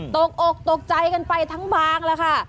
ตกอกตกใจกันไปทั้งบางแล้วค่ะ